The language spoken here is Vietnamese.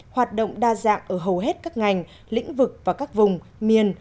hoạt động đa dạng ở hầu hết các ngành lĩnh vực và các vùng miền